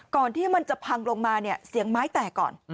ก่อนที่มันจะพังลงมาเสียงไม้แตกก่อน